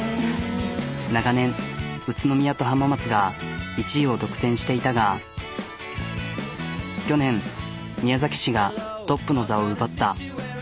長年宇都宮と浜松が１位を独占していたが去年宮崎市がトップの座を奪った。